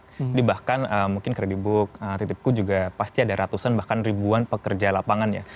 jadi bahkan mungkin kredibook titipku juga pasti ada ratusan bahkan ribuan pekerja lapangannya